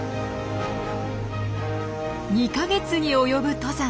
２か月に及ぶ登山。